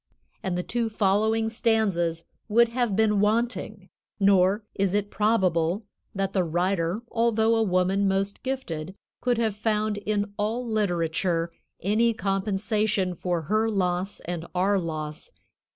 And the two following stanzas would have been wanting; nor is it probable that the writer, although a woman most gifted, could have found in all literature any compensation for her loss and our loss.